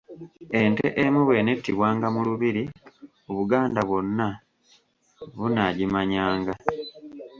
Ente emu bw'enettibwanga mu Lubiri, Obuganda bwonna bunaagimanyanga.